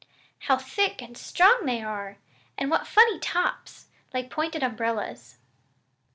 "How thick and strong they are! And what funny tops! like pointed umbrellas."